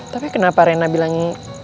tapi kenapa krenah bilang